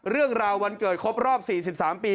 เรื่องราววันเกิดครบรอบ๔๓ปี